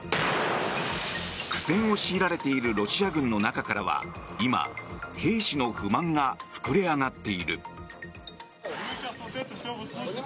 苦戦を強いられているロシア軍の中からは今、兵士の不満が膨れ上がっている。